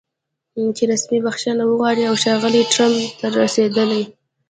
چې رسمي بښنه وغواړي او ښاغلي ټرمپ ته د رسېدلي